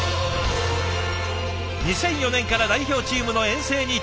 ２００４年から代表チームの遠征に帯同。